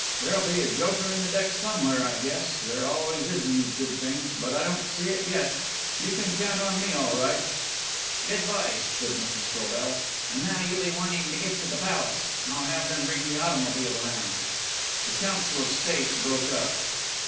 There'll be a joker in the deck somewhere, I guess. There always is in these good things. But I don't see it yet. You can count me in all right." "Good boy," said Mr. Scobell. "And now you'll be wanting to get to the Palace. I'll have them bring the automobile round." The council of state broke up.